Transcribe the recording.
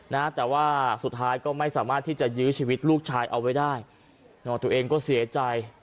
นะแต่ว่าสุดท้ายก็ไม่สามารถที่จะยื้อชีวิตลูกชายเอาไว้ได้ตัวเองก็เสียใจ